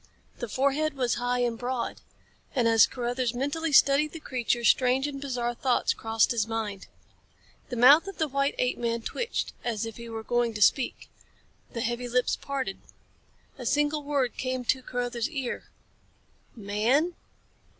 The forehead was high and broad. And as Carruthers mentally studied the creature, strange and bizarre thoughts crossed his mind. The mouth of the white apeman twitched as if he were going to speak. The heavy lips parted. A single word came to Carruthers' ear "Man?"